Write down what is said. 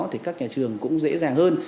thì các nhà trường cũng dễ dàng hơn